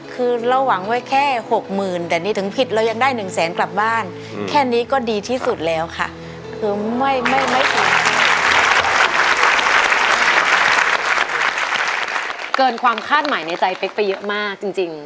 เกินความค้าคมายในใจเป๊ะไปเยอะมากจนจริง